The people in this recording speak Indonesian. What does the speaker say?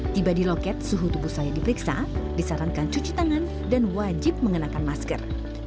tiba di loket suhu tubuh saya diperiksa disarankan cuci tangan dan wajib mengenakan masker